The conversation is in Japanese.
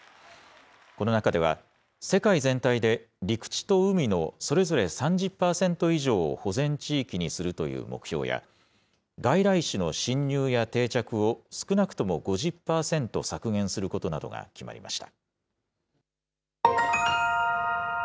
この中では、世界全体で陸地と海のそれぞれ３０％以上を保全地域にするという目標や、外来種の侵入や定着を、少なくとも５０％削減することなどが決まりました。